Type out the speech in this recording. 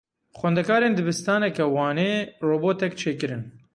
Xwendekarên dibistaneke Wanê robotek çêkirin.